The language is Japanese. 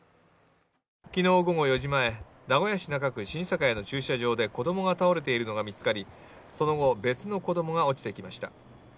昨日午後４時前名古屋市中区新栄の駐車場で子供が倒れているのが見つかり、その後別の子供が落ちてきました。